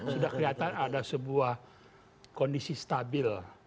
sudah kelihatan ada sebuah kondisi stabil